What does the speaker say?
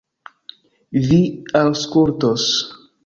Vi aŭskultos!